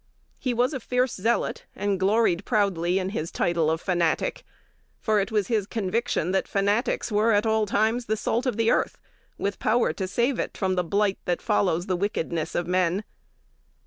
He was a fierce zealot, and gloried proudly in his title of "fanatic;" for it was his conviction that fanatics were at all times the salt of the earth, with power to save it from the blight that follows the wickedness of men.